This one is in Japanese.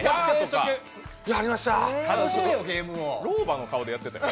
老婆の顔でやってたよ。